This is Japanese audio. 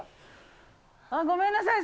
あっ、ごめんなさい。